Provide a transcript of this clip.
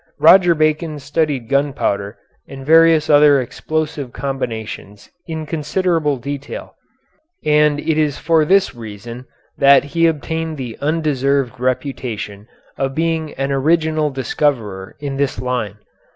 Roger Bacon studied gunpowder and various other explosive combinations in considerable detail, and it is for this reason that he obtained the undeserved reputation of being an original discoverer in this line.